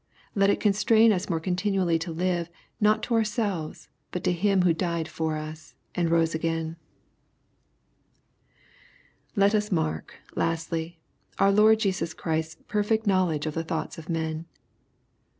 Let it constrain us more continually to live, not to our selves, but to Him who died for us and rose again Let us mark, lastly, our Lord Jesus Chrises perfect knowledge of the thoughts of men.